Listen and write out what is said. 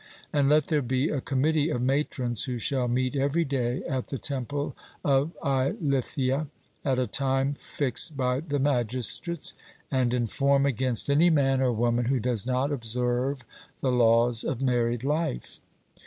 And let there be a committee of matrons who shall meet every day at the temple of Eilithyia at a time fixed by the magistrates, and inform against any man or woman who does not observe the laws of married life.